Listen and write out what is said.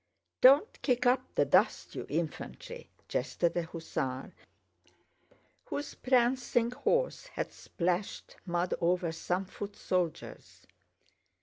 "Don't kick up the dust, you infantry!" jested an hussar whose prancing horse had splashed mud over some foot soldiers.